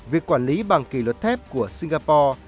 việc quản lý bằng kỳ luật thép của singapore